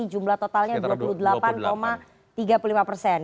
jumlah totalnya dua puluh delapan tiga puluh lima persen